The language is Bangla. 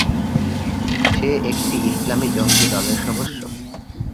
সে একটি ইসলামী জঙ্গী দলের সদস্য।